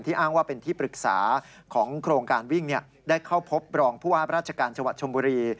อ้างว่าเป็นที่ปรึกษาของโครงการวิ่งได้เข้าพบรองผู้ว่าราชการจังหวัดชมบุรี